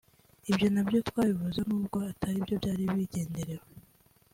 ibyo nabyo twabivuzeho nubwo atari byo byari bigenderewe